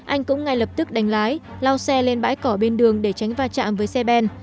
anh cũng ngay lập tức đánh lái lao xe lên bãi cỏ bên đường để tránh va chạm với xe ben